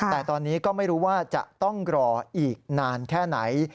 แต่ตอนนี้ก็ไม่รู้ว่าจะต้องรออีกนานแค่ไหน